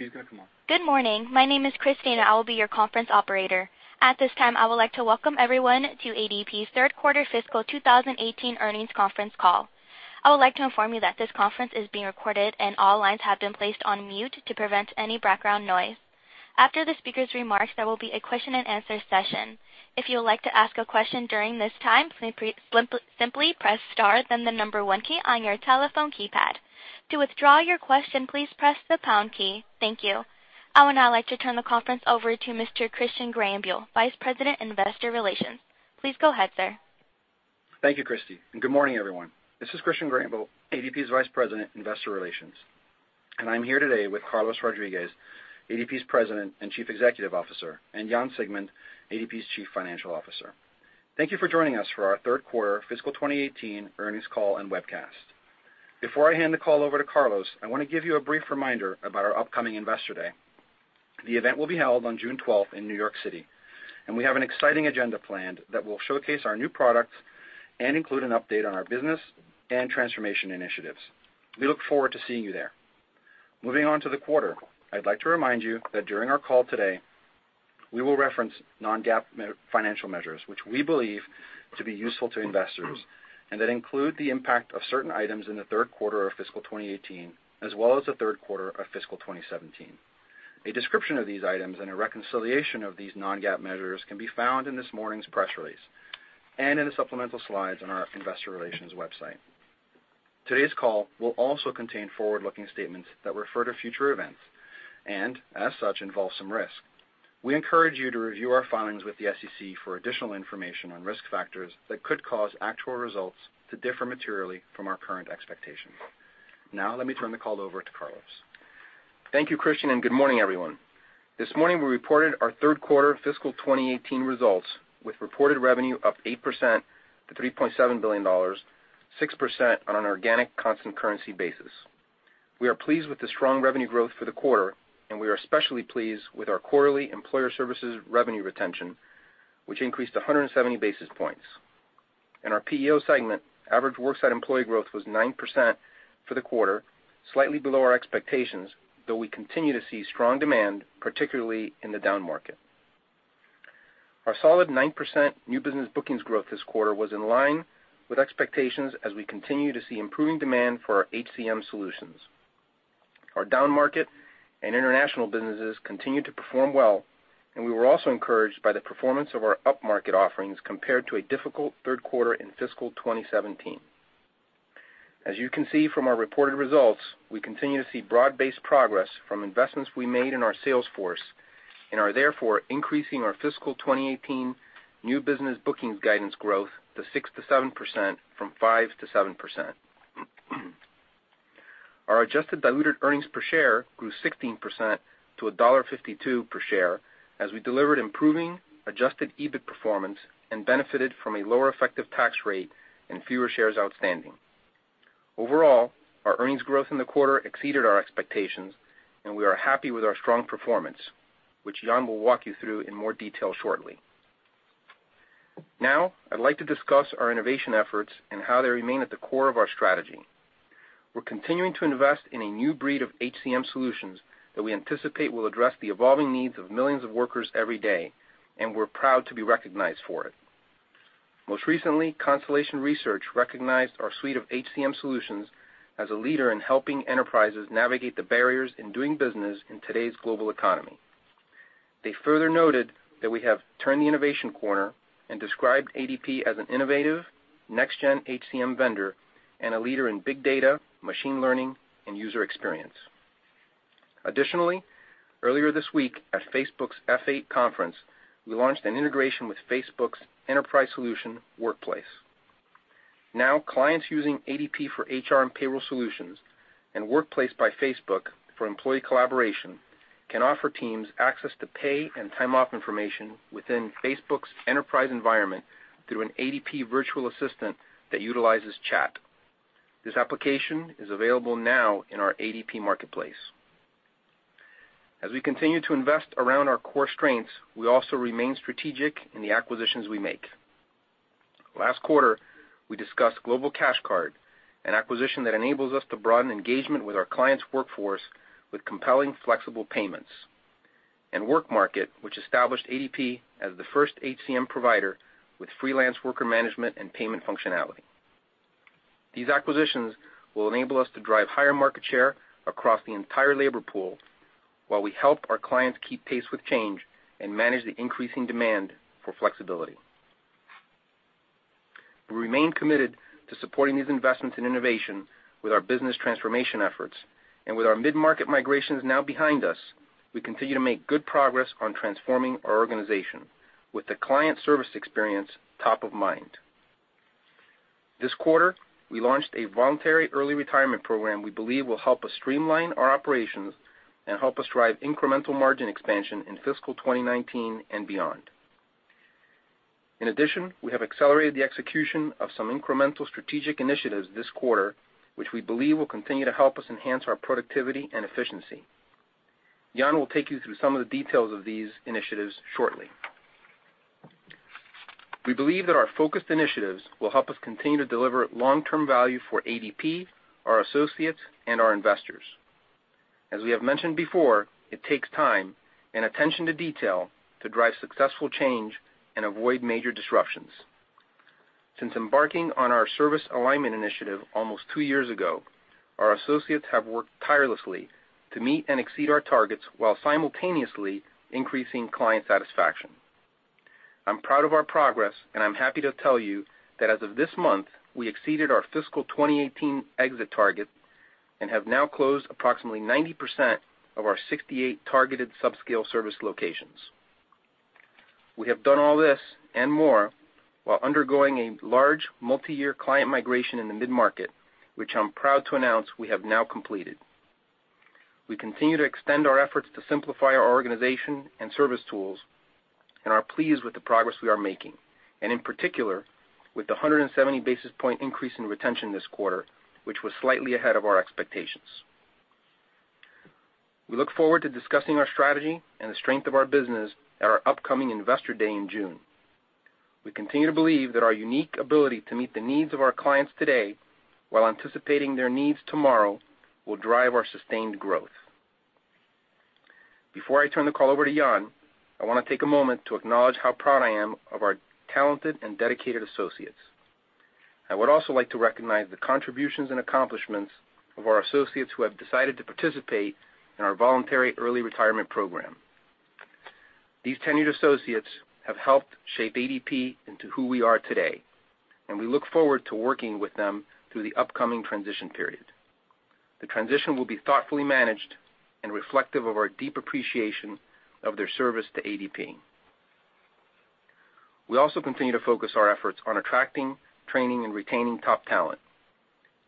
Christina, come on. Good morning. My name is Christina. I will be your conference operator. At this time, I would like to welcome everyone to ADP's third quarter fiscal 2018 earnings conference call. I would like to inform you that this conference is being recorded and all lines have been placed on mute to prevent any background noise. After the speaker's remarks, there will be a question and answer session. If you would like to ask a question during this time, simply press star, then the number 1 key on your telephone keypad. To withdraw your question, please press the pound key. Thank you. I would now like to turn the conference over to Mr. Christian Greyenbuhl, Vice President, Investor Relations. Please go ahead, sir. Thank you, Christy, and good morning, everyone. This is Christian Greyenbuhl, ADP's Vice President, Investor Relations, and I'm here today with Carlos Rodriguez, ADP's President and Chief Executive Officer, and Jan Siegmund, ADP's Chief Financial Officer. Thank you for joining us for our third quarter fiscal 2018 earnings call and webcast. Before I hand the call over to Carlos, I want to give you a brief reminder about our upcoming Investor Day. The event will be held on June 12th in New York City, and we have an exciting agenda planned that will showcase our new products and include an update on our business and transformation initiatives. We look forward to seeing you there. Moving on to the quarter, I'd like to remind you that during our call today, we will reference non-GAAP financial measures, which we believe to be useful to investors and that include the impact of certain items in the third quarter of fiscal 2018, as well as the third quarter of fiscal 2017. A description of these items and a reconciliation of these non-GAAP measures can be found in this morning's press release and in the supplemental slides on our investor relations website. Today's call will also contain forward-looking statements that refer to future events, and as such, involve some risk. We encourage you to review our filings with the SEC for additional information on risk factors that could cause actual results to differ materially from our current expectations. Let me turn the call over to Carlos. Thank you, Christian, and good morning, everyone. This morning, we reported our third quarter fiscal 2018 results with reported revenue up 8% to $3.7 billion, 6% on an organic constant currency basis. We are pleased with the strong revenue growth for the quarter, and we are especially pleased with our quarterly Employer Services revenue retention, which increased 170 basis points. In our PEO segment, average worksite employee growth was 9% for the quarter, slightly below our expectations, though we continue to see strong demand, particularly in the downmarket. Our solid 9% new business bookings growth this quarter was in line with expectations as we continue to see improving demand for our HCM solutions. Our downmarket and international businesses continue to perform well, and we were also encouraged by the performance of our upmarket offerings compared to a difficult third quarter in fiscal 2017. As you can see from our reported results, we continue to see broad-based progress from investments we made in our sales force and are therefore increasing our fiscal 2018 new business bookings guidance growth to 6%-7%, from 5%-7%. Our adjusted diluted earnings per share grew 16% to $1.52 per share as we delivered improving adjusted EBIT performance and benefited from a lower effective tax rate and fewer shares outstanding. Overall, our earnings growth in the quarter exceeded our expectations, and we are happy with our strong performance, which Jan will walk you through in more detail shortly. Now, I'd like to discuss our innovation efforts and how they remain at the core of our strategy. We're continuing to invest in a new breed of HCM solutions that we anticipate will address the evolving needs of millions of workers every day, and we're proud to be recognized for it. Most recently, Constellation Research recognized our suite of HCM solutions as a leader in helping enterprises navigate the barriers in doing business in today's global economy. They further noted that we have turned the innovation corner and described ADP as an innovative, next-gen HCM vendor and a leader in big data, machine learning, and user experience. Additionally, earlier this week at Facebook's F8 conference, we launched an integration with Facebook's enterprise solution, Workplace. Now, clients using ADP for HR and payroll solutions and Workplace by Facebook for employee collaboration can offer teams access to pay and time-off information within Facebook's enterprise environment through an ADP virtual assistant that utilizes chat. This application is available now in our ADP Marketplace. As we continue to invest around our core strengths, we also remain strategic in the acquisitions we make. Last quarter, we discussed Global Cash Card, an acquisition that enables us to broaden engagement with our client's workforce with compelling, flexible payments, and WorkMarket, which established ADP as the first HCM provider with freelance worker management and payment functionality. These acquisitions will enable us to drive higher market share across the entire labor pool while we help our clients keep pace with change and manage the increasing demand for flexibility. We remain committed to supporting these investments in innovation with our business transformation efforts. With our mid-market migrations now behind us, we continue to make good progress on transforming our organization with the client service experience top of mind. This quarter, we launched a voluntary early retirement program we believe will help us streamline our operations and help us drive incremental margin expansion in fiscal 2019 and beyond. In addition, we have accelerated the execution of some incremental strategic initiatives this quarter, which we believe will continue to help us enhance our productivity and efficiency. Jan will take you through some of the details of these initiatives shortly. We believe that our focused initiatives will help us continue to deliver long-term value for ADP, our associates, and our investors. As we have mentioned before, it takes time and attention to detail to drive successful change and avoid major disruptions. Since embarking on our service alignment initiative almost two years ago, our associates have worked tirelessly to meet and exceed our targets while simultaneously increasing client satisfaction. I'm proud of our progress. I'm happy to tell you that as of this month, we exceeded our fiscal 2018 exit target and have now closed approximately 90% of our 68 targeted sub-scale service locations. We have done all this and more while undergoing a large multi-year client migration in the mid-market, which I'm proud to announce we have now completed. We continue to extend our efforts to simplify our organization and service tools and are pleased with the progress we are making, and in particular, with the 170 basis point increase in retention this quarter, which was slightly ahead of our expectations. We look forward to discussing our strategy and the strength of our business at our upcoming Investor Day in June. We continue to believe that our unique ability to meet the needs of our clients today while anticipating their needs tomorrow will drive our sustained growth. Before I turn the call over to Jan, I want to take a moment to acknowledge how proud I am of our talented and dedicated associates. I would also like to recognize the contributions and accomplishments of our associates who have decided to participate in our voluntary early retirement program. These tenured associates have helped shape ADP into who we are today, and we look forward to working with them through the upcoming transition period. The transition will be thoughtfully managed and reflective of our deep appreciation of their service to ADP. We also continue to focus our efforts on attracting, training, and retaining top talent.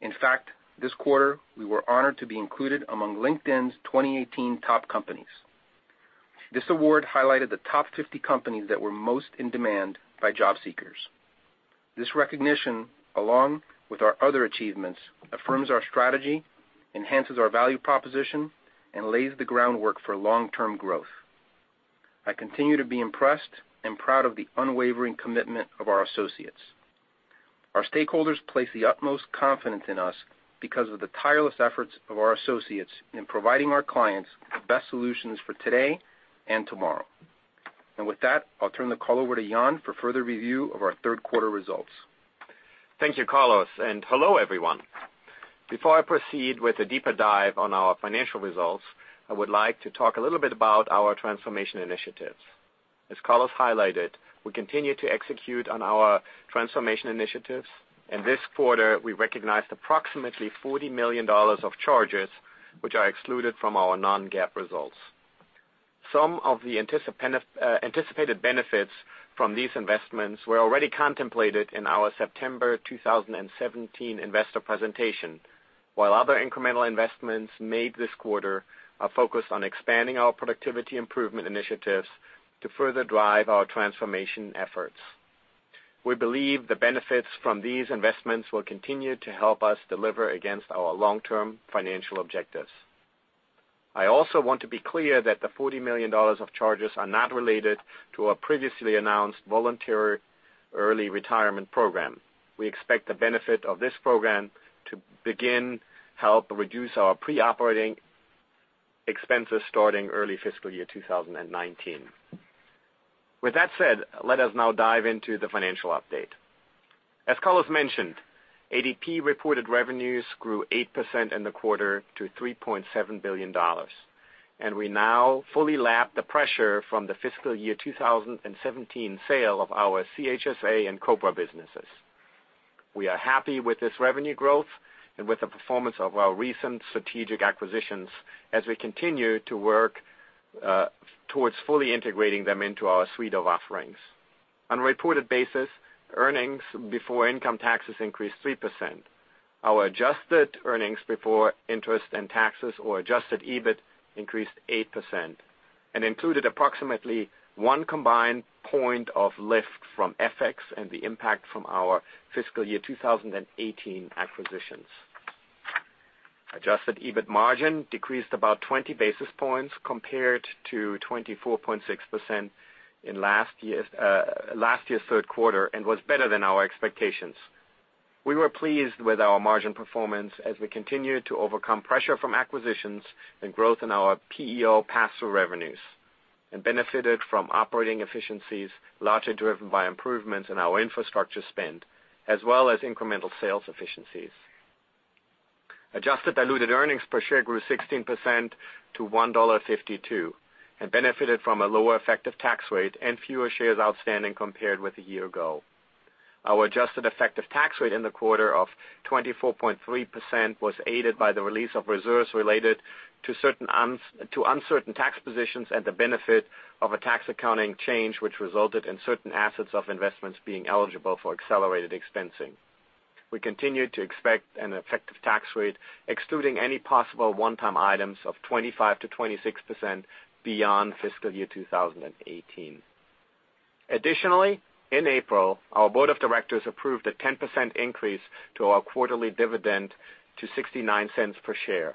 In fact, this quarter, we were honored to be included among LinkedIn's 2018 top companies. This award highlighted the top 50 companies that were most in demand by job seekers. This recognition, along with our other achievements, affirms our strategy, enhances our value proposition, and lays the groundwork for long-term growth. I continue to be impressed and proud of the unwavering commitment of our associates. Our stakeholders place the utmost confidence in us because of the tireless efforts of our associates in providing our clients the best solutions for today and tomorrow. With that, I'll turn the call over to Jan for further review of our third quarter results. Thank you, Carlos, and hello, everyone. Before I proceed with a deeper dive on our financial results, I would like to talk a little bit about our transformation initiatives. As Carlos highlighted, we continue to execute on our transformation initiatives, and this quarter, we recognized approximately $40 million of charges, which are excluded from our non-GAAP results. Some of the anticipated benefits from these investments were already contemplated in our September 2017 investor presentation, while other incremental investments made this quarter are focused on expanding our productivity improvement initiatives to further drive our transformation efforts. We believe the benefits from these investments will continue to help us deliver against our long-term financial objectives. I also want to be clear that the $40 million of charges are not related to our previously announced voluntary early retirement program. We expect the benefit of this program to begin help reduce our pre-operating expenses starting early fiscal year 2019. With that said, let us now dive into the financial update. As Carlos mentioned, ADP reported revenues grew 8% in the quarter to $3.7 billion. We now fully lap the pressure from the fiscal year 2017 sale of our CHSA and COBRA businesses. We are happy with this revenue growth and with the performance of our recent strategic acquisitions as we continue to work towards fully integrating them into our suite of offerings. On a reported basis, earnings before income taxes increased 3%. Our adjusted earnings before interest and taxes, or adjusted EBIT, increased 8% and included approximately one combined point of lift from FX and the impact from our fiscal year 2018 acquisitions. Adjusted EBIT margin decreased about 20 basis points compared to 24.6% in last year's third quarter and was better than our expectations. We were pleased with our margin performance as we continued to overcome pressure from acquisitions and growth in our PEO pass-through revenues and benefited from operating efficiencies, largely driven by improvements in our infrastructure spend, as well as incremental sales efficiencies. Adjusted diluted earnings per share grew 16% to $1.52 and benefited from a lower effective tax rate and fewer shares outstanding compared with a year ago. Our adjusted effective tax rate in the quarter of 24.3% was aided by the release of reserves related to uncertain tax positions and the benefit of a tax accounting change, which resulted in certain assets of investments being eligible for accelerated expensing. We continue to expect an effective tax rate, excluding any possible one-time items, of 25%-26% beyond fiscal year 2018. Additionally, in April, our board of directors approved a 10% increase to our quarterly dividend to $0.69 per share.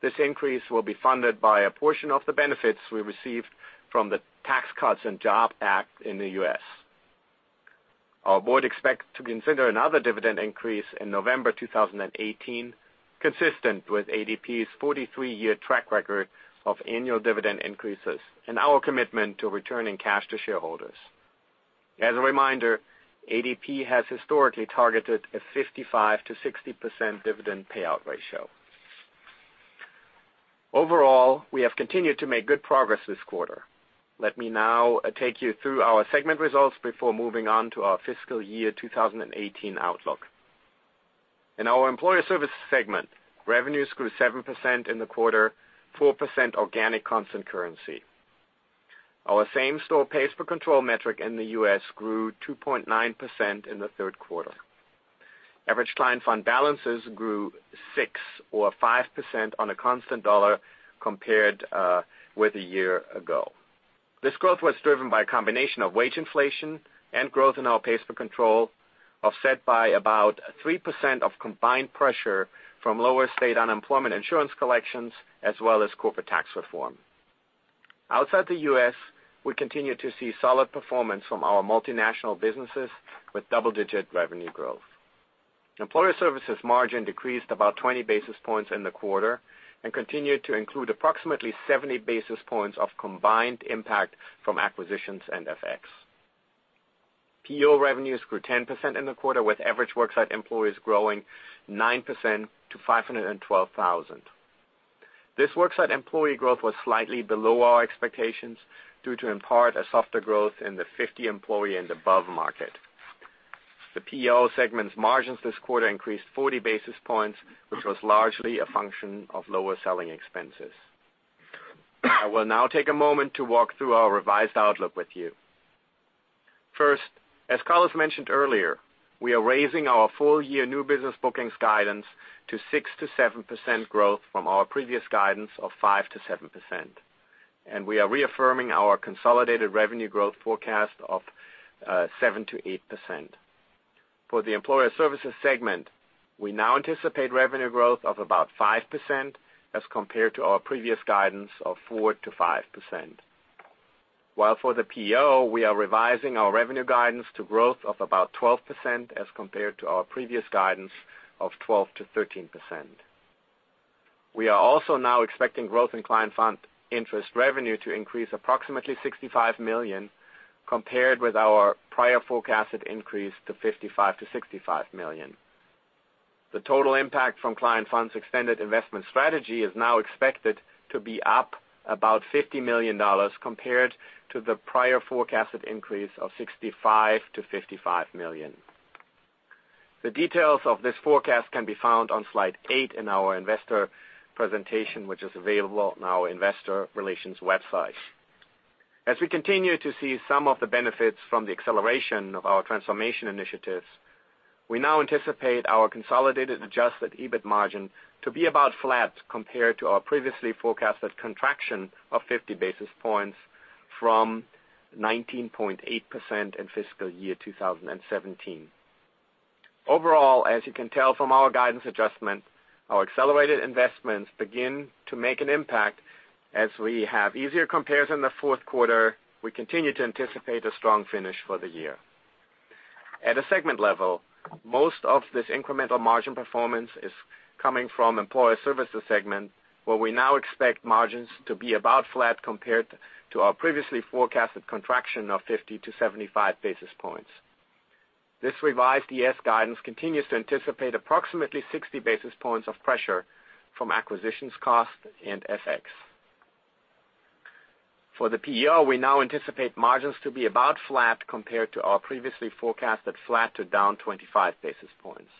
This increase will be funded by a portion of the benefits we received from the Tax Cuts and Jobs Act in the U.S. Our board expects to consider another dividend increase in November 2018, consistent with ADP's 43-year track record of annual dividend increases and our commitment to returning cash to shareholders. As a reminder, ADP has historically targeted a 55%-60% dividend payout ratio. Overall, we have continued to make good progress this quarter. Let me now take you through our segment results before moving on to our fiscal year 2018 outlook. In our Employer Services segment, revenues grew 7% in the quarter, 4% organic constant currency. Our same-store pays per control metric in the U.S. grew 2.9% in the third quarter. Average client fund balances grew 6% or 5% on a constant USD compared with a year ago. This growth was driven by a combination of wage inflation and growth in our pays per control, offset by about 3% of combined pressure from lower state unemployment insurance collections, as well as the Tax Cuts and Jobs Act. Outside the U.S., we continue to see solid performance from our multinational businesses with double-digit revenue growth. Employer Services margin decreased about 20 basis points in the quarter and continued to include approximately 70 basis points of combined impact from acquisitions and FX. PEO revenues grew 10% in the quarter, with average worksite employees growing 9% to 512,000. This worksite employee growth was slightly below our expectations due to, in part, a softer growth in the 50-employee and above market. The PEO segment's margins this quarter increased 40 basis points, which was largely a function of lower selling expenses. As Carlos mentioned earlier, we are raising our full-year new business bookings guidance to 6%-7% growth from our previous guidance of 5%-7%. We are reaffirming our consolidated revenue growth forecast of 7%-8%. For the Employer Services segment, we now anticipate revenue growth of about 5% as compared to our previous guidance of 4%-5%. For the PEO, we are revising our revenue guidance to growth of about 12% as compared to our previous guidance of 12%-13%. We are also now expecting growth in client fund interest revenue to increase approximately $65 million compared with our prior forecasted increase to $55 million-$65 million. The total impact from client funds extended investment strategy is now expected to be up about $50 million compared to the prior forecasted increase of $55 million-$65 million. The details of this forecast can be found on slide 8 in our investor presentation, which is available on our investor relations website. As we continue to see some of the benefits from the acceleration of our transformation initiatives, we now anticipate our consolidated adjusted EBIT margin to be about flat compared to our previously forecasted contraction of 50 basis points from 19.8% in fiscal year 2017. Overall, as you can tell from our guidance adjustment, our accelerated investments begin to make an impact as we have easier compares in the fourth quarter, we continue to anticipate a strong finish for the year. At a segment level, most of this incremental margin performance is coming from Employer Services segment, where we now expect margins to be about flat compared to our previously forecasted contraction of 50-75 basis points. This revised ES guidance continues to anticipate approximately 60 basis points of pressure from acquisitions cost and FX. For the PEO, we now anticipate margins to be about flat compared to our previously forecasted flat to down 25 basis points.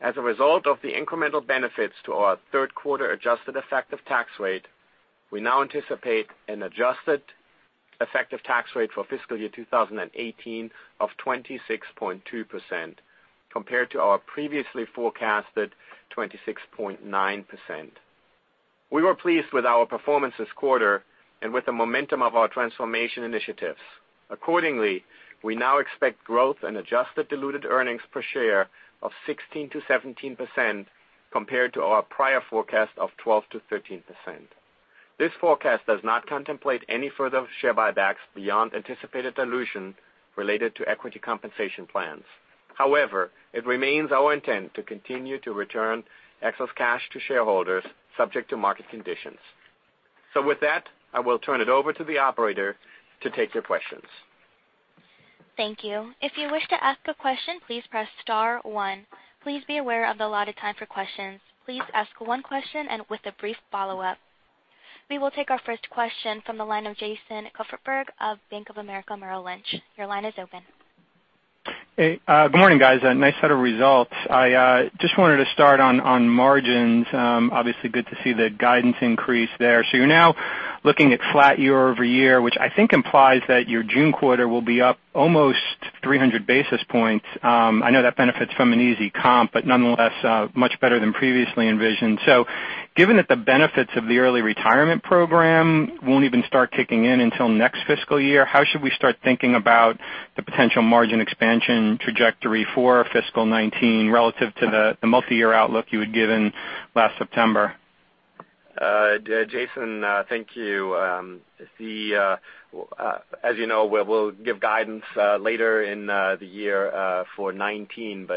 As a result of the incremental benefits to our third quarter adjusted effective tax rate, we now anticipate an adjusted effective tax rate for fiscal year 2018 of 26.2% compared to our previously forecasted 26.9%. We were pleased with our performance this quarter and with the momentum of our transformation initiatives. Accordingly, we now expect growth in adjusted diluted earnings per share of 16%-17% compared to our prior forecast of 12%-13%. This forecast does not contemplate any further share buybacks beyond anticipated dilution related to equity compensation plans. It remains our intent to continue to return excess cash to shareholders subject to market conditions. With that, I will turn it over to the operator to take your questions. Thank you. If you wish to ask a question, please press *1. Please be aware of the allotted time for questions. Please ask one question and with a brief follow-up. We will take our first question from the line of Jason Kupferberg of Bank of America Merrill Lynch. Your line is open. Hey, good morning, guys. Nice set of results. I just wanted to start on margins. Obviously good to see the guidance increase there. You're now looking at flat year-over-year, which I think implies that your June quarter will be up almost 300 basis points. I know that benefits from an easy comp, nonetheless, much better than previously envisioned. Given that the benefits of the early retirement program won't even start kicking in until next fiscal year, how should we start thinking about the potential margin expansion trajectory for fiscal 2019 relative to the multi-year outlook you had given last September? Jason, thank you. As you know, we'll give guidance later in the year for 2019.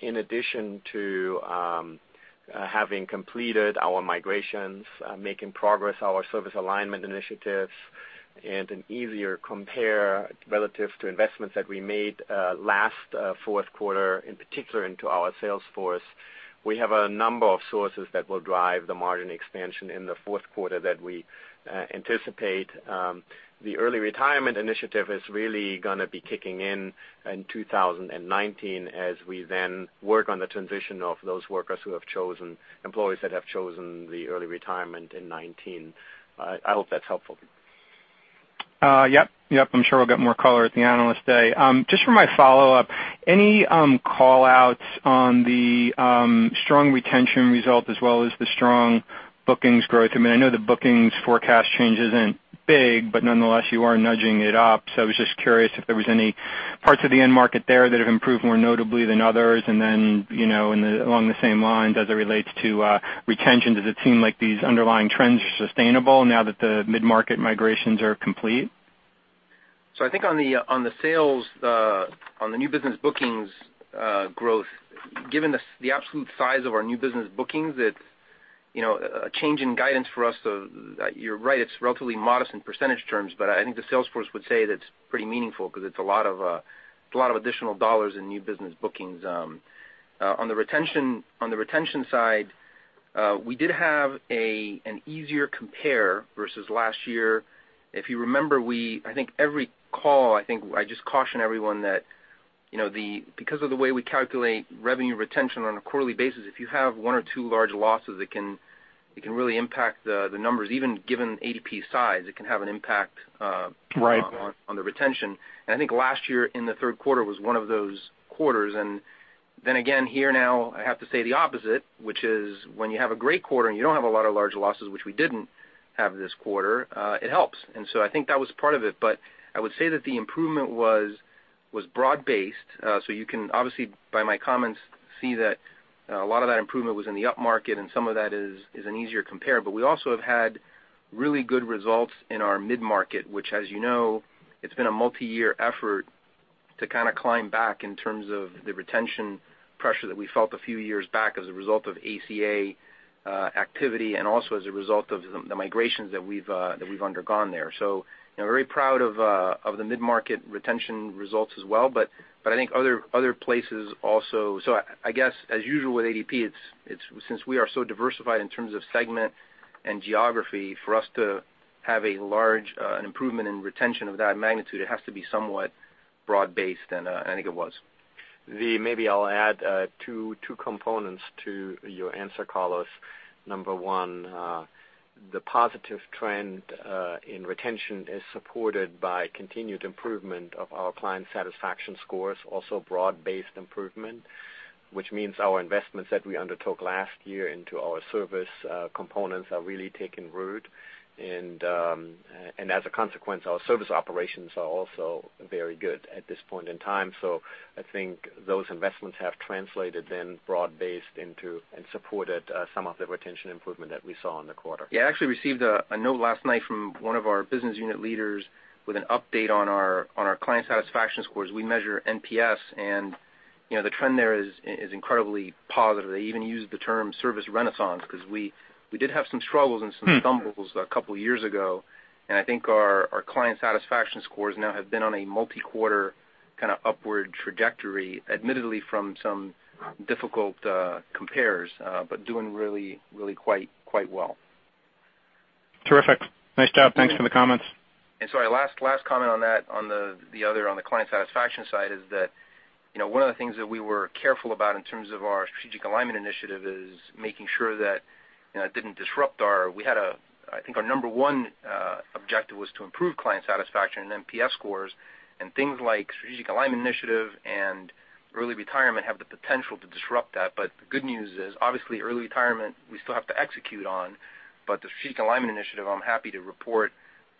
In addition to having completed our migrations, making progress, our service alignment initiatives, and an easier compare relative to investments that we made last fourth quarter, in particular into our sales force, we have a number of sources that will drive the margin expansion in the fourth quarter that we anticipate. The early retirement initiative is really going to be kicking in 2019 as we then work on the transition of those employees that have chosen the early retirement in 2019. I hope that's helpful. Yep. I'm sure we'll get more color at the Analyst Day. Just for my follow-up, any call-outs on the strong retention result as well as the strong bookings growth? I know the bookings forecast change isn't big, but nonetheless, you are nudging it up. I was just curious if there was any parts of the end market there that have improved more notably than others. Along the same lines, as it relates to retention, does it seem like these underlying trends are sustainable now that the mid-market migrations are complete? I think on the new business bookings growth, given the absolute size of our new business bookings, a change in guidance for us, you're right, it's relatively modest in percentage terms, but I think the sales force would say that it's pretty meaningful because it's a lot of additional dollars in new business bookings. On the retention side, we did have an easier compare versus last year. If you remember, I think every call, I just caution everyone that because of the way we calculate revenue retention on a quarterly basis, if you have one or two large losses, it can really impact the numbers, even given ADP's size, it can have an impact- Right on the retention. I think last year in the third quarter was one of those quarters. Again, here now, I have to say the opposite, which is when you have a great quarter, and you don't have a lot of large losses, which we didn't have this quarter, it helps. I think that was part of it. I would say that the improvement was broad-based. You can obviously, by my comments, see that a lot of that improvement was in the upmarket, and some of that is an easier compare. We also have had really good results in our mid-market, which, as you know, it's been a multi-year effort to climb back in terms of the retention pressure that we felt a few years back as a result of ACA activity and also as a result of the migrations that we've undergone there. We're very proud of the mid-market retention results as well, but I think other places also. I guess as usual with ADP, since we are so diversified in terms of segment and geography, for us to have an improvement in retention of that magnitude, it has to be somewhat broad-based, and I think it was. Maybe I'll add two components to your answer, Carlos. Number one, the positive trend in retention is supported by continued improvement of our client satisfaction scores, also broad-based improvement, which means our investments that we undertook last year into our service components have really taken root. As a consequence, our service operations are also very good at this point in time. I think those investments have translated then broad-based into and supported some of the retention improvement that we saw in the quarter. Yeah, I actually received a note last night from one of our business unit leaders with an update on our client satisfaction scores. We measure NPS, the trend there is incredibly positive. They even used the term service renaissance because we did have some struggles and some stumbles a couple of years ago, I think our client satisfaction scores now have been on a multi-quarter upward trajectory, admittedly from some difficult compares, but doing really quite well. Terrific. Nice job. Thanks for the comments. Sorry, last comment on the client satisfaction side is that one of the things that we were careful about in terms of our strategic alignment initiative is making sure that it didn't disrupt our I think our number one objective was to improve client satisfaction and NPS scores, things like strategic alignment initiative and early retirement have the potential to disrupt that. The good news is, obviously, early retirement, we still have to execute on, the strategic alignment initiative, I'm happy to report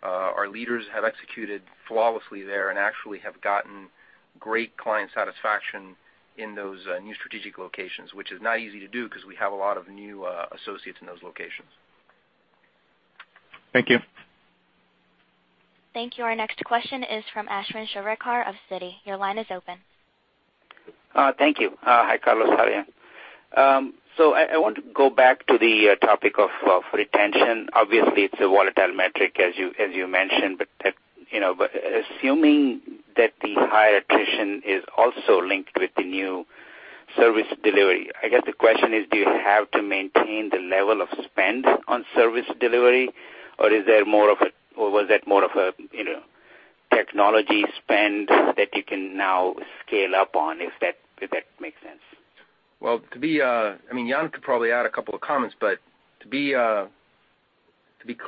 our leaders have executed flawlessly there and actually have gotten great client satisfaction in those new strategic locations, which is not easy to do because we have a lot of new associates in those locations. Thank you. Thank you. Our next question is from Ashwin Shirvaikar of Citi. Your line is open. Thank you. Hi, Carlos. Sorry. I want to go back to the topic of retention. Obviously, it's a volatile metric as you mentioned, but assuming that the high attrition is also linked with the new service delivery, I guess the question is, do you have to maintain the level of spend on service delivery, or was that more of a technology spend that you can now scale up on, if that makes sense? Well, Jan could probably add a couple of comments, but to be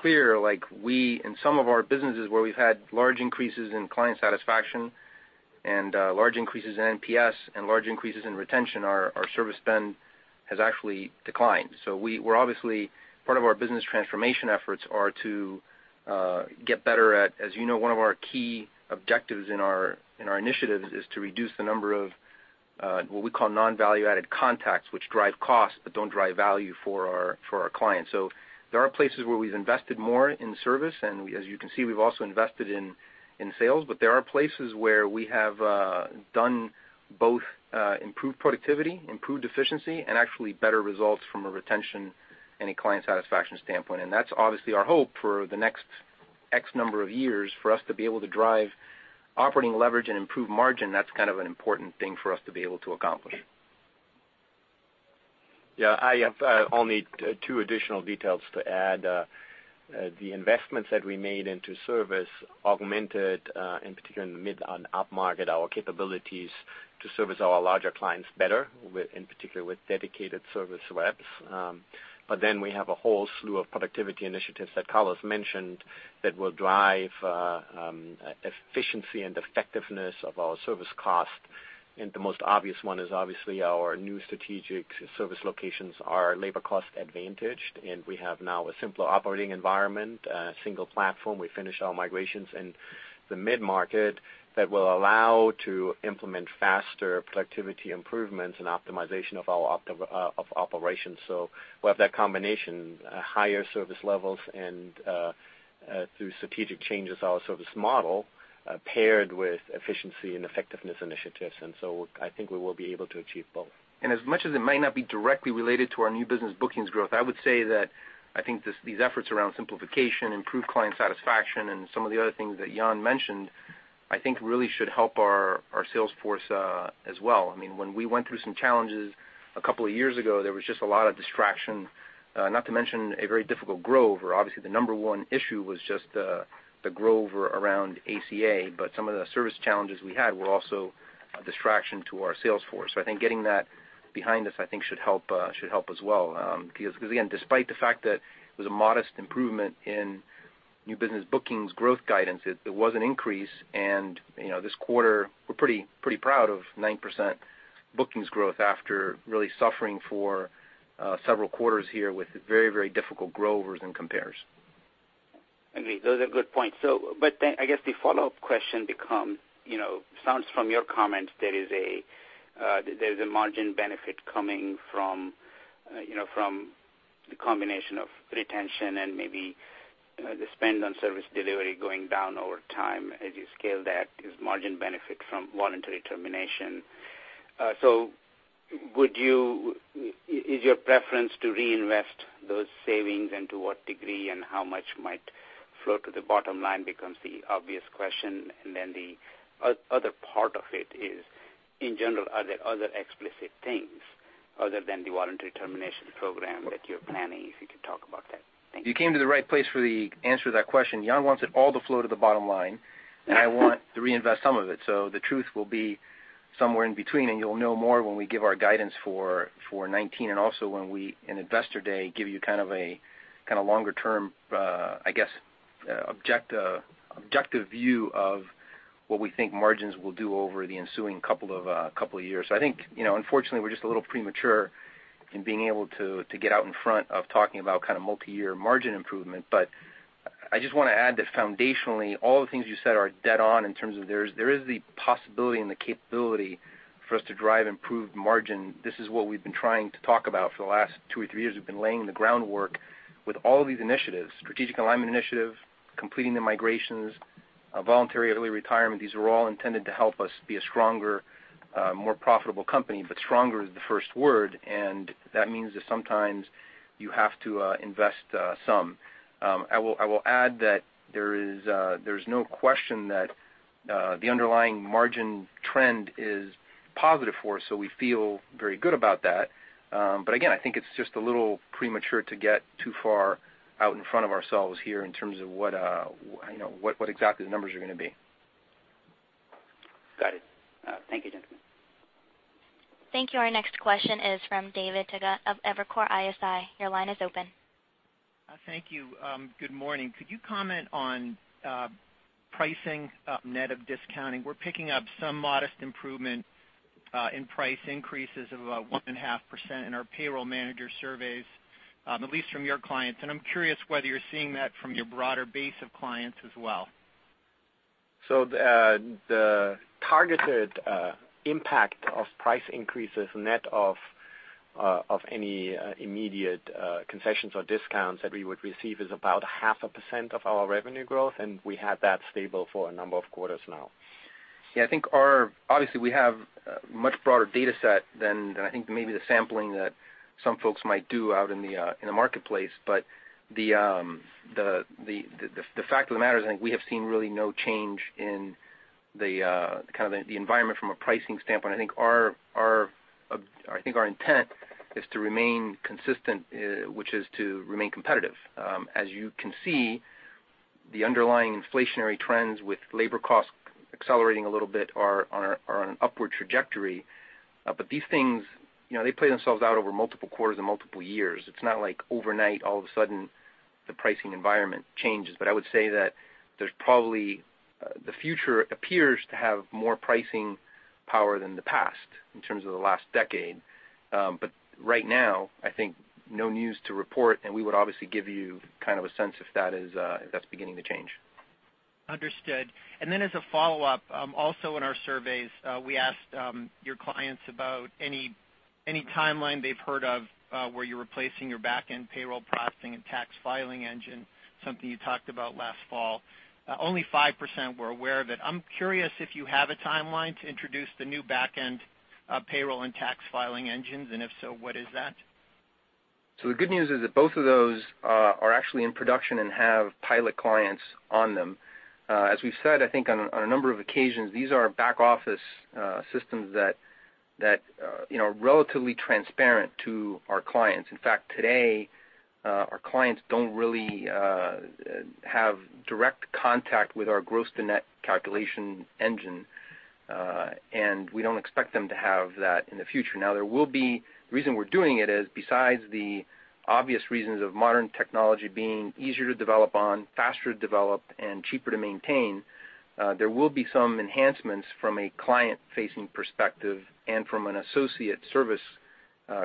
clear, in some of our businesses where we've had large increases in client satisfaction and large increases in NPS and large increases in retention, our service spend has actually declined. Obviously, part of our business transformation efforts are to get better at, as you know, one of our key objectives in our initiatives is to reduce the number of what we call non-value added contacts, which drive costs but don't drive value for our clients. There are places where we've invested more in service, and as you can see, we've also invested in sales, but there are places where we have done both improved productivity, improved efficiency, and actually better results from a retention and a client satisfaction standpoint. That's obviously our hope for the next X number of years for us to be able to drive operating leverage and improve margin. That's kind of an important thing for us to be able to accomplish. I have only two additional details to add. The investments that we made into service augmented, in particular in the mid and upmarket, our capabilities to service our larger clients better, in particular with dedicated service reps. We have a whole slew of productivity initiatives that Carlos mentioned that will drive efficiency and effectiveness of our service cost. The most obvious one is obviously our new strategic service locations are labor cost advantaged, and we have now a simpler operating environment, a single platform. We finished our migrations in the mid-market that will allow to implement faster productivity improvements and optimization of operations. We have that combination, higher service levels and, through strategic changes, our service model paired with efficiency and effectiveness initiatives. I think we will be able to achieve both. As much as it might not be directly related to our new business bookings growth, I would say that I think these efforts around simplification, improved client satisfaction, and some of the other things that Jan mentioned, I think really should help our sales force as well. When we went through some challenges a couple of years ago, there was just a lot of distraction, not to mention a very difficult growth where obviously the number 1 issue was just the growth around ACA, some of the service challenges we had were also a distraction to our sales force. I think getting that behind us, I think should help as well. Again, despite the fact that it was a modest improvement in new business bookings growth guidance, it was an increase. This quarter, we're pretty proud of 9% bookings growth after really suffering for several quarters here with very difficult growths and compares. Agreed. Those are good points. I guess the follow-up question becomes, sounds from your comment, there's a margin benefit coming from the combination of retention and maybe the spend on service delivery going down over time as you scale that, there's margin benefit from voluntary termination. Is your preference to reinvest those savings and to what degree and how much might flow to the bottom line becomes the obvious question. The other part of it is, in general, are there other explicit things other than the voluntary termination program that you're planning, if you could talk about that? Thank you. You came to the right place for the answer to that question. Jan wants it all to flow to the bottom line, and I want to reinvest some of it. The truth will be somewhere in between, and you'll know more when we give our guidance for 2019, and also when we, in Investor Day, give you kind of a longer-term, I guess, objective view of what we think margins will do over the ensuing couple of years. I think, unfortunately, we're just a little premature in being able to get out in front of talking about kind of multi-year margin improvement. I just want to add that foundationally, all the things you said are dead on in terms of there is the possibility and the capability for us to drive improved margin. This is what we've been trying to talk about for the last two or three years. We've been laying the groundwork with all of these initiatives, Strategic Alignment Initiative, completing the migrations, voluntary early retirement. These are all intended to help us be a stronger, more profitable company, stronger is the first word, and that means that sometimes you have to invest some. I will add that there's no question that the underlying margin trend is positive for us, we feel very good about that. Again, I think it's just a little premature to get too far out in front of ourselves here in terms of what exactly the numbers are going to be. Got it. Thank you, gentlemen. Thank you. Our next question is from David Togut of Evercore ISI. Your line is open. Thank you. Good morning. Could you comment on pricing net of discounting? We're picking up some modest improvement in price increases of about 1.5% in our payroll manager surveys, at least from your clients. I'm curious whether you're seeing that from your broader base of clients as well. The targeted impact of price increases, net of any immediate concessions or discounts that we would receive, is about half a percent of our revenue growth, we had that stable for a number of quarters now. I think obviously we have a much broader data set than I think maybe the sampling that some folks might do out in the marketplace. The fact of the matter is, I think we have seen really no change in the kind of the environment from a pricing standpoint. I think our intent is to remain consistent, which is to remain competitive. As you can see, the underlying inflationary trends with labor costs accelerating a little bit are on an upward trajectory. These things, they play themselves out over multiple quarters and multiple years. It's not like overnight, all of a sudden, the pricing environment changes. I would say that there's probably the future appears to have more pricing power than the past in terms of the last decade. Right now, I think no news to report, and we would obviously give you kind of a sense if that's beginning to change. Understood. As a follow-up, also in our surveys, we asked your clients about any timeline they've heard of where you're replacing your back-end payroll processing and tax filing engine, something you talked about last fall. Only 5% were aware of it. I'm curious if you have a timeline to introduce the new back-end payroll and tax filing engines, and if so, what is that? The good news is that both of those are actually in production and have pilot clients on them. As we've said, I think on a number of occasions, these are back-office systems that are relatively transparent to our clients. In fact, today, our clients don't really have direct contact with our gross-to-net calculation engine, and we don't expect them to have that in the future. The reason we're doing it is, besides the obvious reasons of modern technology being easier to develop on, faster to develop, and cheaper to maintain, there will be some enhancements from a client-facing perspective and from an associate service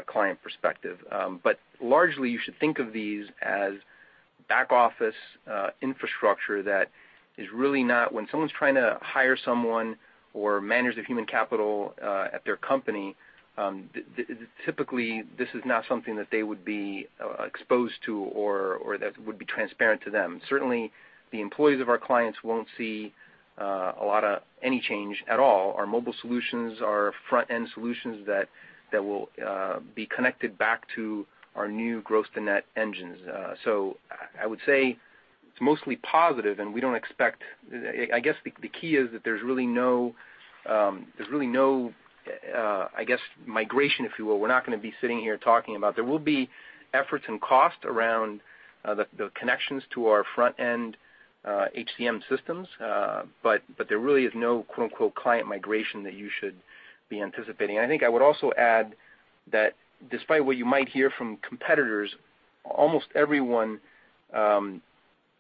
client perspective. Largely, you should think of these as back-office infrastructure that is really not When someone's trying to hire someone or manage the human capital at their company, typically, this is not something that they would be exposed to or that would be transparent to them. Certainly, the employees of our clients won't see any change at all. Our mobile solutions are front-end solutions that will be connected back to our new gross-to-net engines. I would say it's mostly positive, and we don't expect I guess the key is that there's really no migration, if you will. We're not going to be sitting here talking about There will be efforts and cost around the connections to our front-end HCM systems. There really is no "client migration" that you should be anticipating. I think I would also add that despite what you might hear from competitors, almost everyone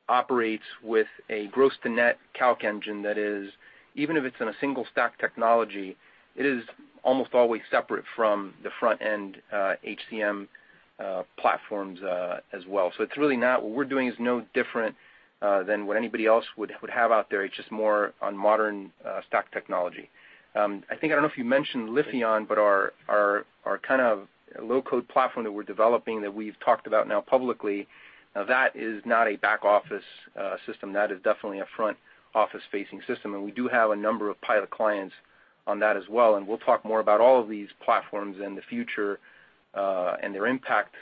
operates with a gross-to-net calc engine that is, even if it's in a single stack technology, it is almost always separate from the front-end HCM platforms as well. What we're doing is no different than what anybody else would have out there. It's just more on modern stack technology. I think, I don't know if you mentioned Lifion, but our kind of low-code platform that we're developing, that we've talked about now publicly, that is not a back-office system. That is definitely a front-office-facing system, and we do have a number of pilot clients on that as well, and we'll talk more about all of these platforms in the future, and their impact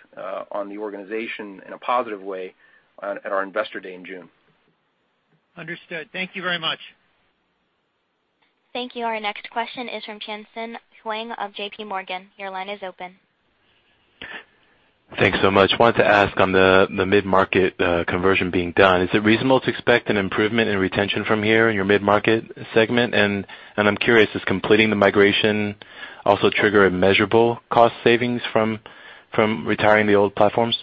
on the organization in a positive way at our Investor Day in June. Understood. Thank you very much. Thank you. Our next question is from Tien-Tsin Huang of JPMorgan. Your line is open. Thanks so much. Wanted to ask on the mid-market conversion being done, is it reasonable to expect an improvement in retention from here in your mid-market segment? I'm curious, does completing the migration also trigger a measurable cost savings from retiring the old platforms?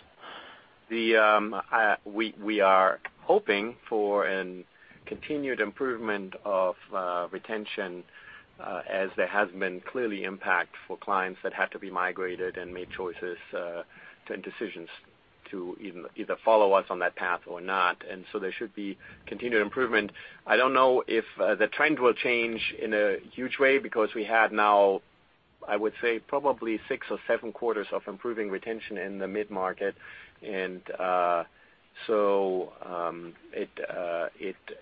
We are hoping for a continued improvement of retention, as there has been clearly impact for clients that had to be migrated and made choices and decisions to either follow us on that path or not. There should be continued improvement. I don't know if the trend will change in a huge way because we had now, I would say, probably six or seven quarters of improving retention in the mid-market.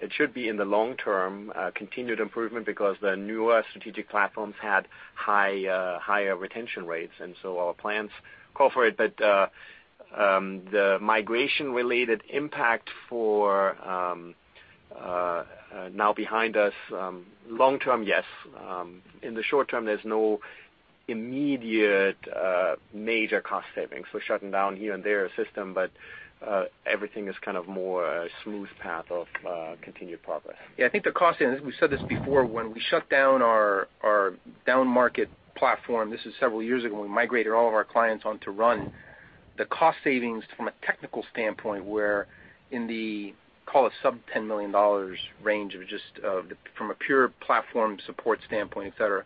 It should be, in the long term, a continued improvement because the newer strategic platforms had higher retention rates, and so our plans call for it. The migration-related impact for now behind us, long term, yes. In the short term, there's no immediate major cost savings. We're shutting down here and there a system, but everything is kind of more a smooth path of continued progress. Yeah, I think the cost, and we said this before, when we shut down our downmarket platform, this is several years ago, when we migrated all of our clients onto RUN, the cost savings from a technical standpoint were in the call it sub-$10 million range from a pure platform support standpoint, et cetera.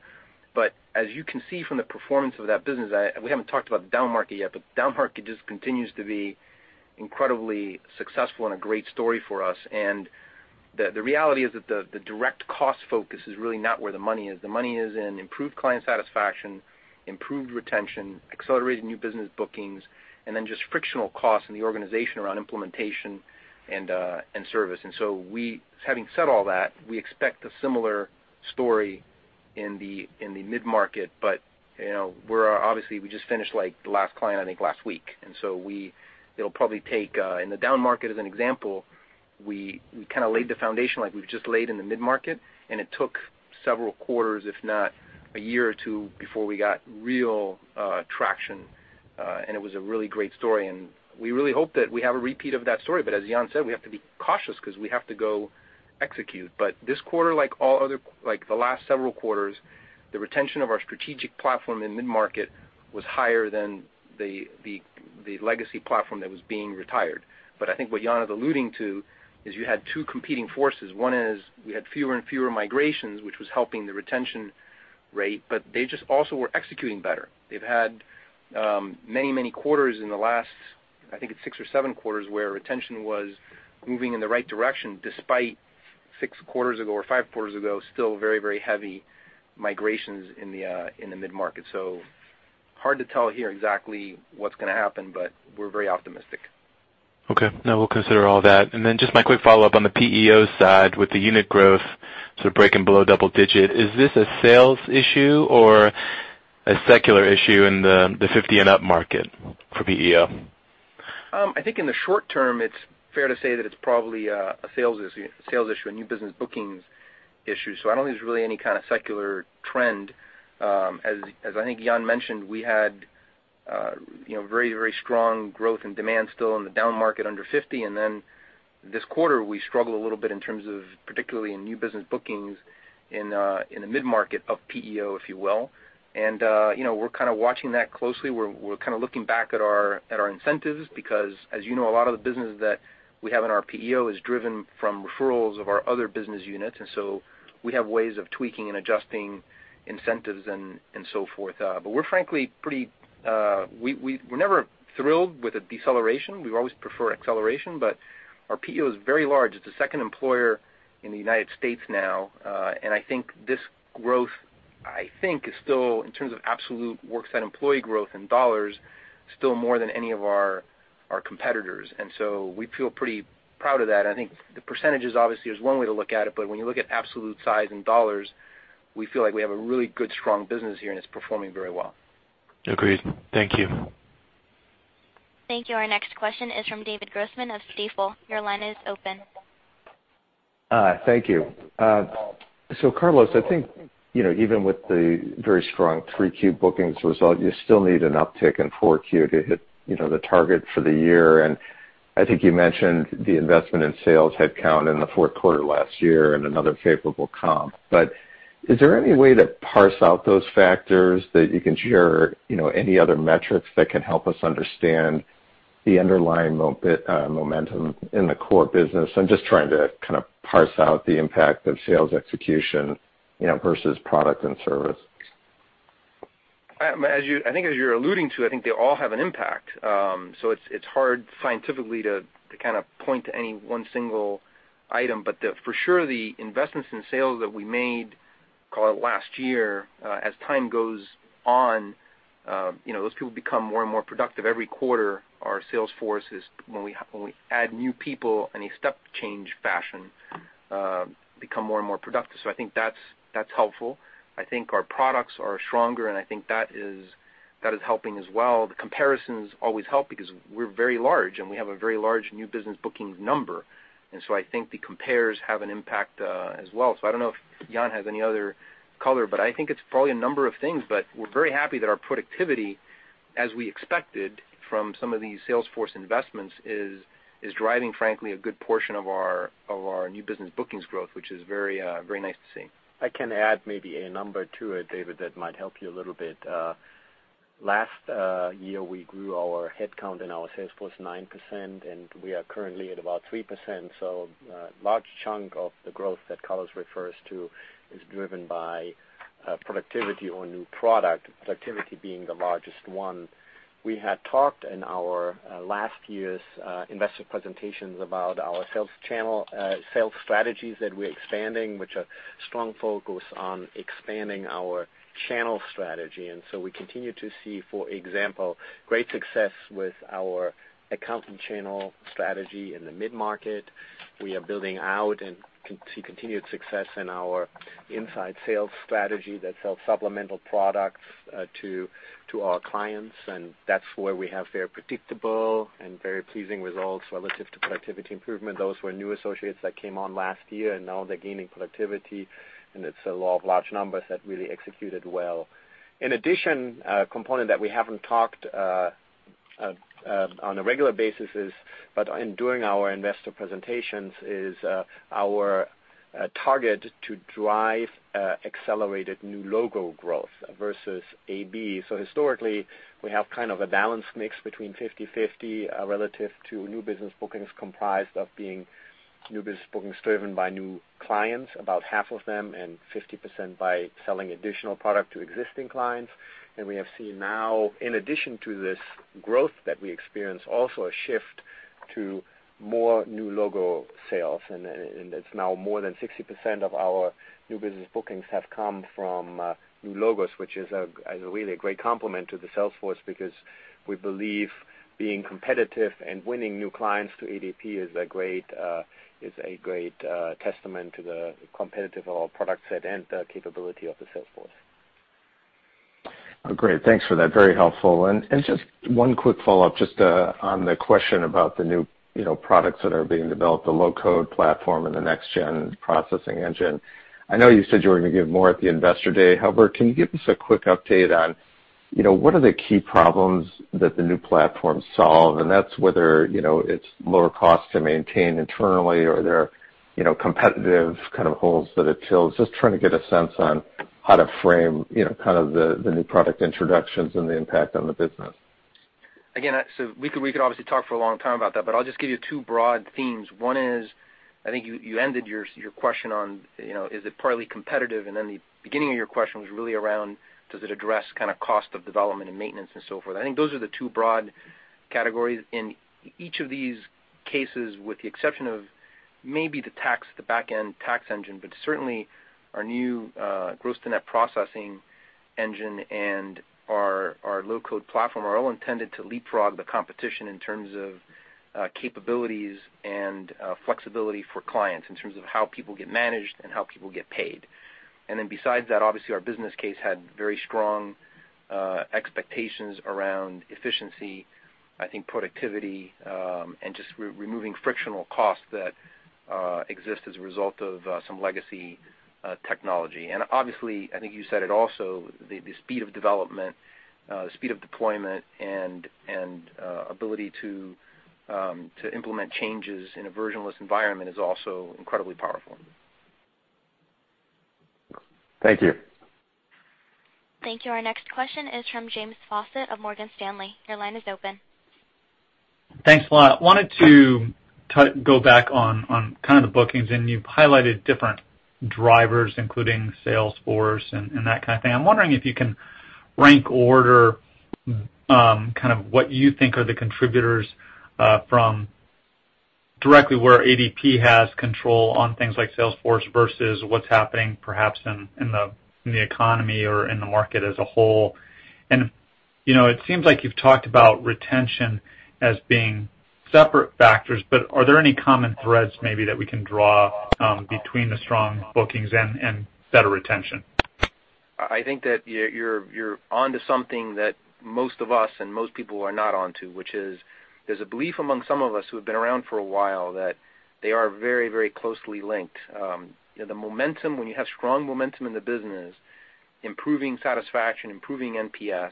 As you can see from the performance of that business, we haven't talked about downmarket yet, but downmarket just continues to be incredibly successful and a great story for us. The reality is that the direct cost focus is really not where the money is. The money is in improved client satisfaction, improved retention, accelerated new business bookings, and then just frictional costs in the organization around implementation and service. Having said all that, we expect a similar story in the mid-market, but obviously we just finished the last client, I think, last week. It'll probably take In the downmarket as an example, we kind of laid the foundation like we've just laid in the mid-market, and it took several quarters, if not a year or two, before we got real traction, and it was a really great story, and we really hope that we have a repeat of that story. As Jan said, we have to be cautious because we have to go execute. This quarter, like the last several quarters, the retention of our strategic platform in mid-market was higher than the legacy platform that was being retired. I think what Jan is alluding to is you had two competing forces. One is we had fewer and fewer migrations, which was helping the retention rate, but they just also were executing better. They've had many quarters in the last I think it's six or seven quarters where retention was moving in the right direction despite six quarters ago or five quarters ago, still very heavy migrations in the mid-market. Hard to tell here exactly what's going to happen, but we're very optimistic. Okay. No, we'll consider all that. Just my quick follow-up on the PEO side with the unit growth sort of breaking below double-digit. Is this a sales issue or a secular issue in the 50 and up market for PEO? I think in the short term, it's fair to say that it's probably a sales issue, a new business bookings issue. I don't think there's really any kind of secular trend. As I think Jan mentioned, we had very strong growth and demand still in the downmarket under 50. This quarter, we struggle a little bit in terms of, particularly in new business bookings in the mid-market of PEO, if you will. We're kind of watching that closely. We're looking back at our incentives because as you know, a lot of the business that we have in our PEO is driven from referrals of our other business units. We have ways of tweaking and adjusting incentives and so forth. We're never thrilled with a deceleration. We've always preferred acceleration, our PEO is very large. It's the second employer in the U.S. now. I think this growth, I think is still, in terms of absolute worksite employee growth in dollars, still more than any of our competitors. We feel pretty proud of that. I think the percentages obviously is one way to look at it, but when you look at absolute size in dollars, we feel like we have a really good, strong business here, it's performing very well. Agreed. Thank you. Thank you. Our next question is from David Grossman of Stifel. Your line is open. Thank you. Carlos, I think, even with the very strong 3Q bookings result, you still need an uptick in four Q to hit the target for the year. I think you mentioned the investment in sales headcount in the fourth quarter last year and another favorable comp. Is there any way to parse out those factors that you can share any other metrics that can help us understand the underlying momentum in the core business? I'm just trying to kind of parse out the impact of sales execution versus product and service. I think as you're alluding to, I think they all have an impact. It's hard scientifically to point to any one single item, but for sure the investments in sales that we made call it last year, as time goes on, those people become more and more productive every quarter. Our sales force is when we add new people in a step change fashion, become more and more productive. I think that's helpful. I think our products are stronger, and I think that is helping as well. The comparisons always help because we're very large, and we have a very large new business bookings number. I think the compares have an impact as well. I don't know if Jan has any other color, but I think it's probably a number of things, but we're very happy that our productivity, as we expected from some of these sales force investments, is driving, frankly, a good portion of our new business bookings growth, which is very nice to see. I can add maybe a number to it, David, that might help you a little bit. Last year, we grew our headcount and our sales force 9%, and we are currently at about 3%. A large chunk of the growth that Carlos refers to is driven by productivity or new product, productivity being the largest one. We had talked in our last year's investor presentations about our sales channel, sales strategies that we're expanding, which are strong focus on expanding our channel strategy. We continue to see, for example, great success with our accounting channel strategy in the mid-market. We are building out and see continued success in our inside sales strategy that sells supplemental products to our clients, and that's where we have very predictable and very pleasing results relative to productivity improvement. Those were new associates that came on last year, and now they're gaining productivity, and it's a lot of large numbers that really executed well. In addition, a component that we haven't talked on a regular basis is, but in doing our investor presentations is, our target to drive accelerated new logo growth versus add-on business. Historically, we have kind of a balanced mix between 50/50, relative to new business bookings, comprised of being new business bookings driven by new clients, about half of them, and 50% by selling additional product to existing clients. We have seen now, in addition to this growth that we experience, also a shift to more new logo sales, and it's now more than 60% of our new business bookings have come from new logos, which is a really great complement to the sales force because we believe being competitive and winning new clients to ADP is a great testament to the competitive of our product set and the capability of the sales force. Great. Thanks for that. Very helpful. Just one quick follow-up, just on the question about the new products that are being developed, the low-code platform and the next-gen processing engine. I know you said you were going to give more at the Investor Day. However, can you give us a quick update on what are the key problems that the new platform solve? That's whether it's lower cost to maintain internally or there are competitive holes that it fills. Just trying to get a sense on how to frame the new product introductions and the impact on the business. We could obviously talk for a long time about that, but I'll just give you two broad themes. One is, I think you ended your question on, is it partly competitive? The beginning of your question was really around does it address cost of development and maintenance and so forth. I think those are the two broad categories. In each of these cases, with the exception of maybe the back-end tax engine, but certainly our new gross to net processing engine and our low-code platform are all intended to leapfrog the competition in terms of capabilities and flexibility for clients, in terms of how people get managed and how people get paid. Besides that, obviously our business case had very strong expectations around efficiency, I think productivity, and just removing frictional costs that exist as a result of some legacy technology. Obviously, I think you said it also, the speed of development, the speed of deployment, and ability to implement changes in a versionless environment is also incredibly powerful. Thank you. Thank you. Our next question is from James Faucette of Morgan Stanley. Your line is open. Thanks a lot. Wanted to go back on the bookings. You've highlighted different drivers, including sales force and that kind of thing. I'm wondering if you can rank order what you think are the contributors from directly where ADP has control on things like sales force versus what's happening perhaps in the economy or in the market as a whole. It seems like you've talked about retention as being separate factors. Are there any common threads maybe that we can draw between the strong bookings and better retention? I think that you're onto something that most of us and most people are not onto, which is there's a belief among some of us who have been around for a while that they are very closely linked. The momentum, when you have strong momentum in the business, improving satisfaction, improving NPS,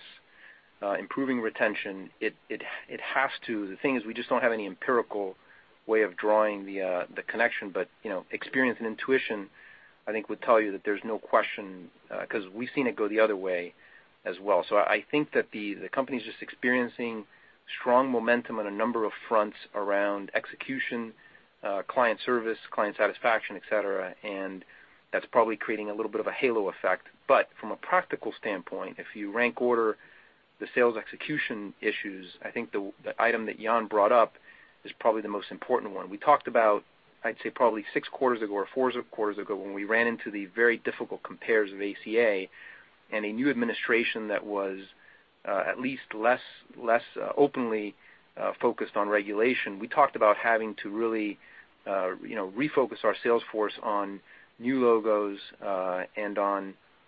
improving retention. The thing is we just don't have any empirical way of drawing the connection. Experience and intuition, I think, would tell you that there's no question, because we've seen it go the other way as well. I think that the company's just experiencing strong momentum on a number of fronts around execution, client service, client satisfaction, et cetera. That's probably creating a little bit of a halo effect. From a practical standpoint, if you rank order the sales execution issues, I think the item that Jan brought up is probably the most important one. We talked about, I'd say probably 6 quarters ago or 4 quarters ago, when we ran into the very difficult compares of ACA and a new administration that was at least less openly focused on regulation. We talked about having to really refocus our sales force on new logos,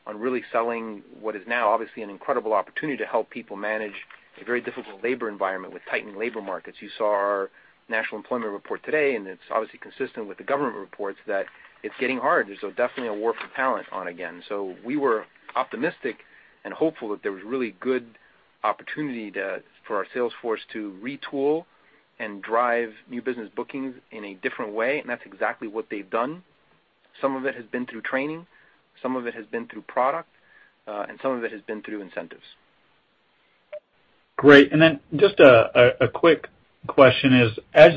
on really selling what is now obviously an incredible opportunity to help people manage a very difficult labor environment with tightening labor markets. You saw our national employment report today. It's obviously consistent with the government reports that it's getting hard. There's definitely a war for talent on again. We were optimistic and hopeful that there was really good opportunity for our sales force to retool and drive new business bookings in a different way. That's exactly what they've done. Some of it has been through training, some of it has been through product. Some of it has been through incentives. Great. Just a quick question is, as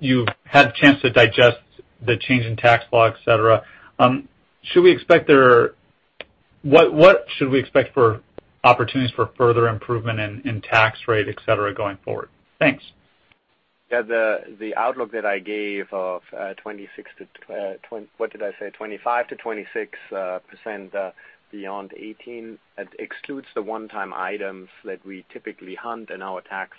you've had a chance to digest the change in tax law, et cetera, what should we expect for opportunities for further improvement in tax rate, et cetera, going forward? Thanks. Yeah, the outlook that I gave of 25%-26% beyond 2018, that excludes the one-time items that we typically hunt in our tax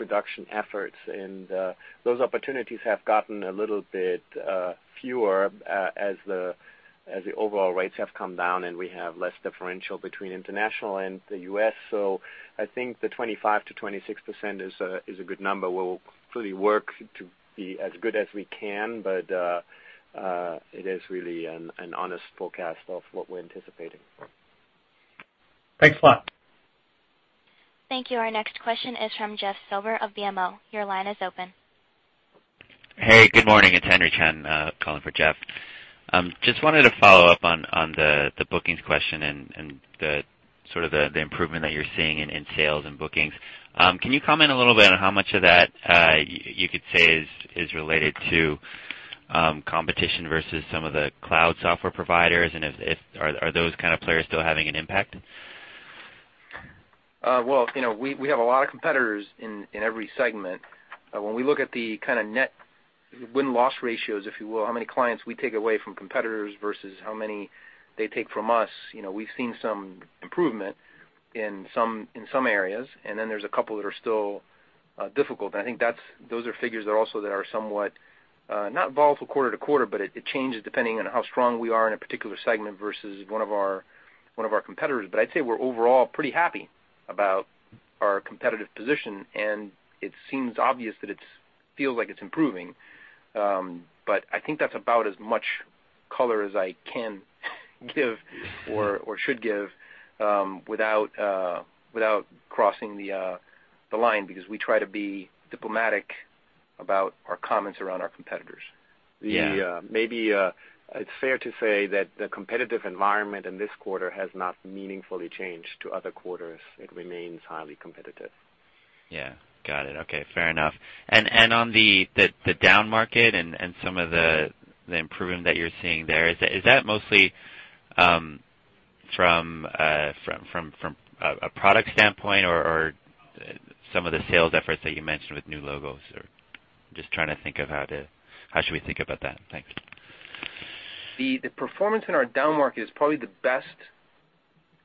reduction efforts. Those opportunities have gotten a little bit fewer as the overall rates have come down, and we have less differential between international and the U.S. I think the 25%-26% is a good number. We'll fully work to be as good as we can, but it is really an honest forecast of what we're anticipating. Thanks a lot. Thank you. Our next question is from Jeff Silber of BMO. Your line is open. Hey, good morning. It's Henry Chen calling for Jeff Silber. Just wanted to follow up on the bookings question and the improvement that you're seeing in sales and bookings. Can you comment a little bit on how much of that you could say is related to competition versus some of the cloud software providers, and are those kind of players still having an impact? Well, we have a lot of competitors in every segment. When we look at the net win-loss ratios, if you will, how many clients we take away from competitors versus how many they take from us, we've seen some improvement in some areas, and then there's a couple that are still difficult. I think those are figures that also that are somewhat, not volatile quarter to quarter, but it changes depending on how strong we are in a particular segment versus one of our competitors. I'd say we're overall pretty happy about our competitive position, and it seems obvious that it feels like it's improving. I think that's about as much color as I can give or should give without crossing the line, because we try to be diplomatic About our comments around our competitors. Yeah. Maybe it's fair to say that the competitive environment in this quarter has not meaningfully changed to other quarters. It remains highly competitive. On the down market and some of the improvement that you're seeing there, is that mostly from a product standpoint or some of the sales efforts that you mentioned with new logos? Or just trying to think of how should we think about that. Thanks. The performance in our down market is probably the best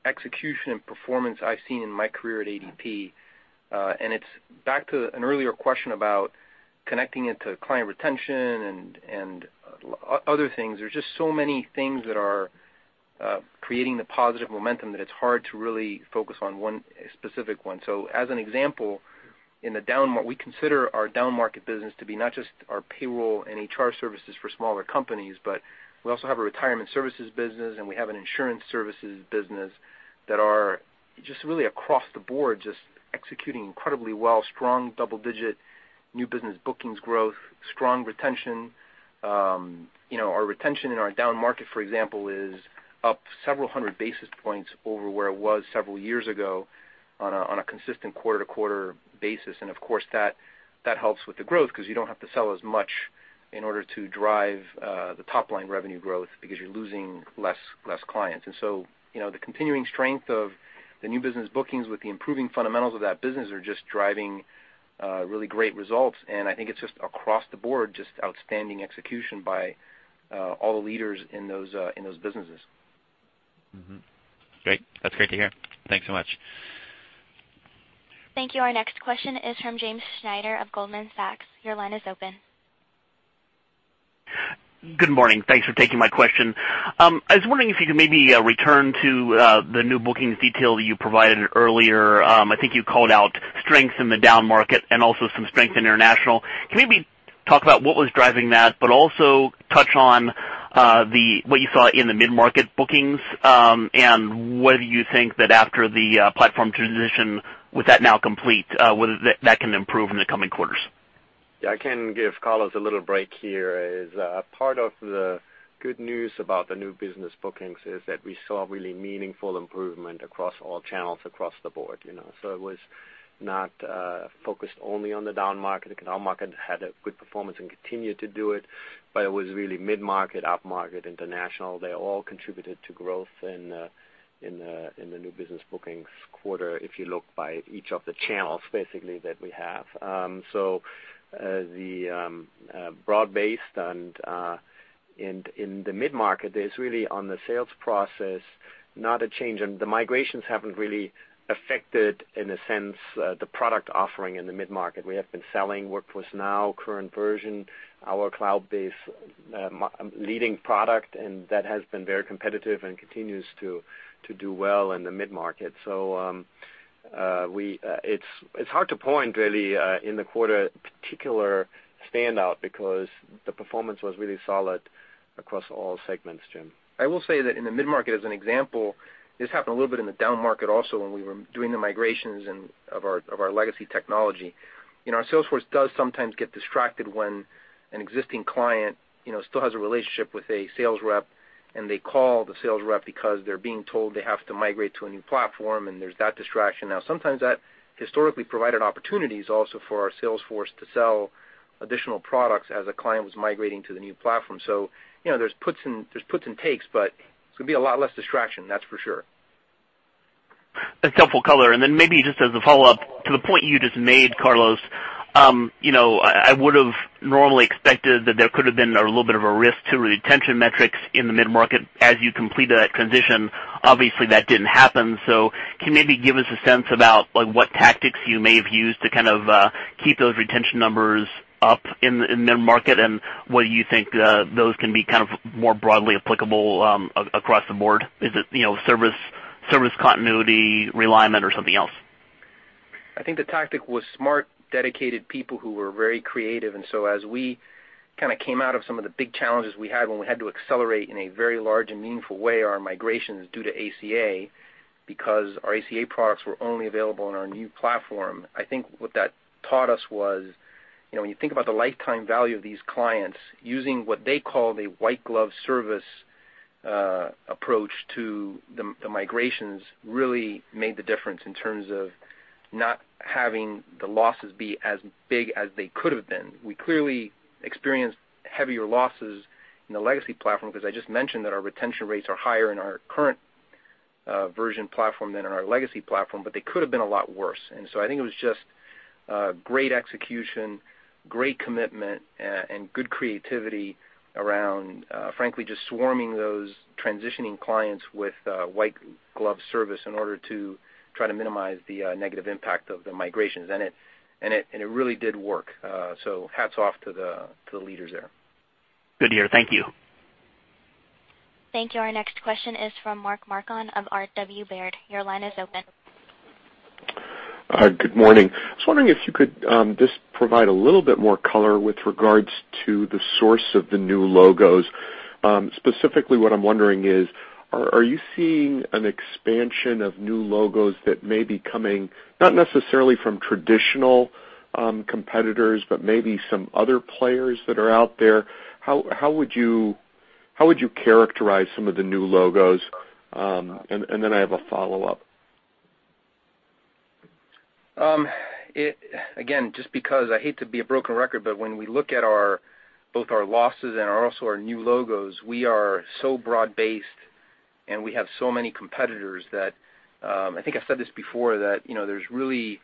execution and performance I've seen in my career at ADP. It's back to an earlier question about connecting it to client retention and other things. There's just so many things that are creating the positive momentum that it's hard to really focus on one specific one. As an example, we consider our down market business to be not just our payroll and HR services for smaller companies, but we also have a retirement services business, and we have an insurance services business that are just really across the board, just executing incredibly well, strong double-digit new business bookings growth, strong retention. Our retention in our down market, for example, is up several hundred basis points over where it was several years ago on a consistent quarter-to-quarter basis. Of course, that helps with the growth because you don't have to sell as much in order to drive the top-line revenue growth because you're losing less clients. The continuing strength of the new business bookings with the improving fundamentals of that business are just driving really great results. I think it's just across the board, just outstanding execution by all the leaders in those businesses. Mm-hmm. Great. That's great to hear. Thanks so much. Thank you. Our next question is from James Snyder of Goldman Sachs. Your line is open. Good morning. Thanks for taking my question. I was wondering if you could maybe return to the new bookings detail that you provided earlier. I think you called out strength in the down-market and also some strength in international. Can you maybe talk about what was driving that, but also touch on what you saw in the mid-market bookings? And whether you think that after the platform transition, with that now complete, whether that can improve in the coming quarters? Yeah, I can give Carlos a little break here. As a part of the good news about the new business bookings is that we saw really meaningful improvement across all channels across the board. It was not focused only on the down-market, because down-market had a good performance and continued to do it, but it was really mid-market, up-market, international. They all contributed to growth in the new business bookings quarter, if you look by each of the channels, basically that we have. The broad-based and in the mid-market is really on the sales process, not a change, and the migrations haven't really affected, in a sense, the product offering in the mid-market. We have been selling Workforce Now current version, our cloud-based leading product, and that has been very competitive and continues to do well in the mid-market. It's hard to point really in the quarter a particular standout because the performance was really solid across all segments, Jim. I will say that in the mid-market as an example, this happened a little bit in the down-market also when we were doing the migrations of our legacy technology. Our sales force does sometimes get distracted when an existing client still has a relationship with a sales rep and they call the sales rep because they're being told they have to migrate to a new platform, and there's that distraction. Sometimes that historically provided opportunities also for our sales force to sell additional products as a client was migrating to the new platform. There's puts and takes, but it's going to be a lot less distraction, that's for sure. That's helpful color. Maybe just as a follow-up to the point you just made, Carlos, I would have normally expected that there could have been a little bit of a risk to retention metrics in the mid-market as you completed that transition. Obviously, that didn't happen. Can you maybe give us a sense about what tactics you may have used to keep those retention numbers up in the mid-market? Whether you think those can be more broadly applicable across the board? Is it service continuity, realignment, or something else? I think the tactic was smart, dedicated people who were very creative. As we came out of some of the big challenges we had when we had to accelerate in a very large and meaningful way our migrations due to ACA, because our ACA products were only available on our new platform. I think what that taught us was, when you think about the lifetime value of these clients, using what they call the white glove service approach to the migrations really made the difference in terms of not having the losses be as big as they could have been. We clearly experienced heavier losses in the legacy platform because I just mentioned that our retention rates are higher in our current version platform than in our legacy platform, but they could have been a lot worse. I think it was just great execution, great commitment, and good creativity around, frankly, just swarming those transitioning clients with white glove service in order to try to minimize the negative impact of the migrations. It really did work. Hats off to the leaders there. Good to hear. Thank you. Thank you. Our next question is from Mark Marcon of RW Baird. Your line is open. Good morning. I was wondering if you could just provide a little bit more color with regards to the source of the new logos Specifically what I'm wondering is, are you seeing an expansion of new logos that may be coming, not necessarily from traditional competitors, but maybe some other players that are out there? How would you characterize some of the new logos? Then I have a follow-up. Again, just because I hate to be a broken record, when we look at both our losses and also our new logos, we are so broad-based and we have so many competitors that, I think I said this before, that there's really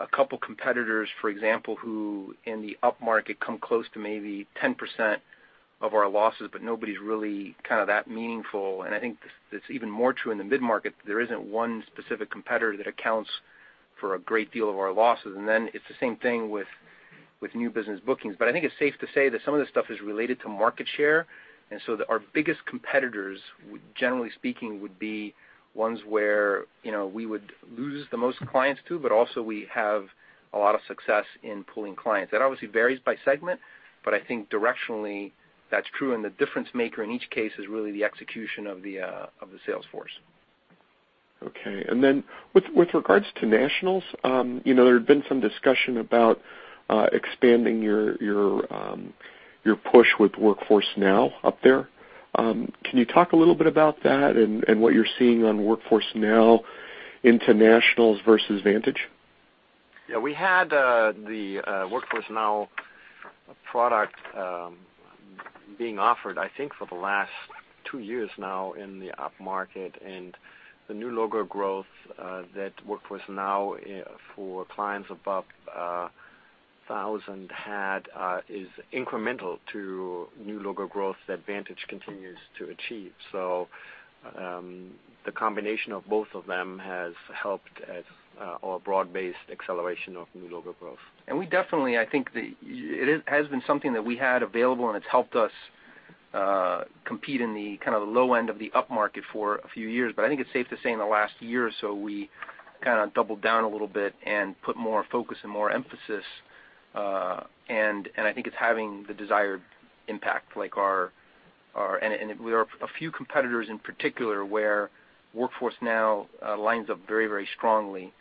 a couple competitors, for example, who in the upmarket come close to maybe 10% of our losses, but nobody's really that meaningful. I think it's even more true in the mid-market. There isn't one specific competitor that accounts for a great deal of our losses. Then it's the same thing with new business bookings. I think it's safe to say that some of this stuff is related to market share, our biggest competitors, generally speaking, would be ones where we would lose the most clients to, but also we have a lot of success in pulling clients. That obviously varies by segment, but I think directionally that's true, and the difference-maker in each case is really the execution of the sales force. With regards to nationals, there had been some discussion about expanding your push with ADP Workforce Now up there. Can you talk a little bit about that and what you're seeing on ADP Workforce Now into nationals versus Vantage? Yeah, we had the ADP Workforce Now product being offered, I think, for the last two years now in the upmarket, and the new logo growth that ADP Workforce Now for clients above 1,000 had is incremental to new logo growth that Vantage continues to achieve. The combination of both of them has helped our broad-based acceleration of new logo growth. It has been something that we had available, and it's helped us compete in the low end of the upmarket for a few years. I think it's safe to say in the last year or so, we doubled down a little bit and put more focus and more emphasis, and I think it's having the desired impact. There are a few competitors in particular where ADP Workforce Now lines up very strongly,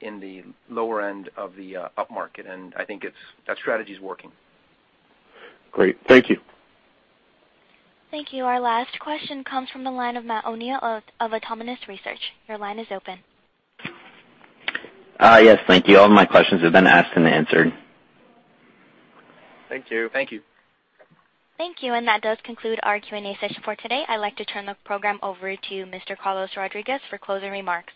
in the lower end of the upmarket, and I think that strategy's working. Great. Thank you. Thank you. Our last question comes from the line of Matthew O'Neill of Autonomous Research. Your line is open. Yes, thank you. All my questions have been asked and answered. Thank you. Thank you. Thank you. That does conclude our Q&A session for today. I'd like to turn the program over to Mr. Carlos Rodriguez for closing remarks.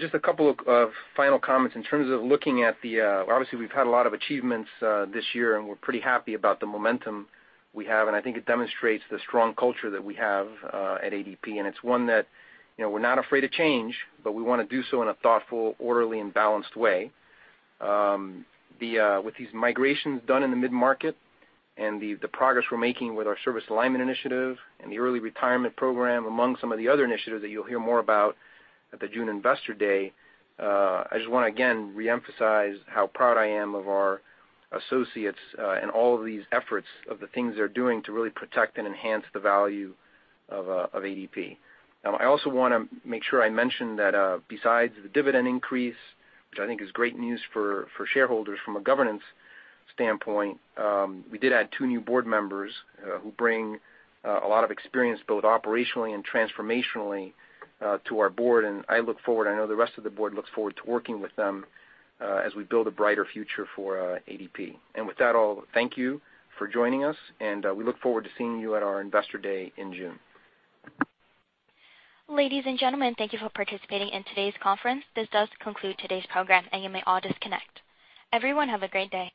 Just a couple of final comments. In terms of looking at the Obviously, we've had a lot of achievements this year, and we're pretty happy about the momentum we have, and I think it demonstrates the strong culture that we have at ADP, and it's one that we're not afraid of change, but we want to do so in a thoughtful, orderly, and balanced way. With these migrations done in the mid-market and the progress we're making with our service alignment initiative and the early retirement program, among some of the other initiatives that you'll hear more about at the June Investor Day, I just want to again reemphasize how proud I am of our associates, and all of these efforts of the things they're doing to really protect and enhance the value of ADP. I also want to make sure I mention that besides the dividend increase, which I think is great news for shareholders from a governance standpoint, we did add two new board members who bring a lot of experience, both operationally and transformationally, to our board, and I look forward, I know the rest of the board looks forward to working with them as we build a brighter future for ADP. With that, all, thank you for joining us, and we look forward to seeing you at our Investor Day in June. Ladies and gentlemen, thank you for participating in today's conference. This does conclude today's program, and you may all disconnect. Everyone, have a great day.